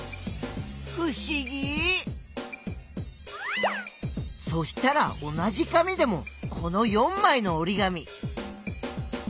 ふしぎ！そしたら同じ紙でもこの４まいのおり紙。